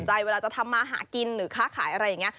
เวลาจะทำมาหากินหรือค้าขายอะไรอย่างนี้